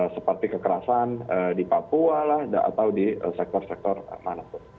seperti kekerasan di papua atau di sektor sektor mana pun